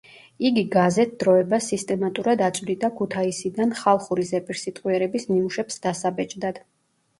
იგი გაზეთ „დროებას“ სისტემატურად აწვდიდა ქუთაისიდან ხალხური ზეპირსიტყვიერების ნიმუშებს დასაბეჭდად.